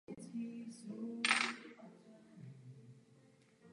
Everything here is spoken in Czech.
Blanco tak přijde o účast na letních olympijských hrách v Londýně.